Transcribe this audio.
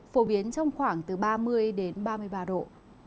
phổ biến trong khoảng từ ba mươi đến ba mươi ba độ